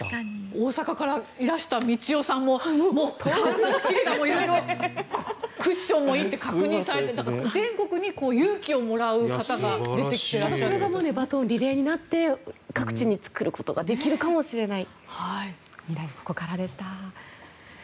大阪からいらしたみちよさんも、こんなにクッションもいいって確認されていて全国に勇気をもらう方がそれがリレーになって各地に作ることができるかもしれない。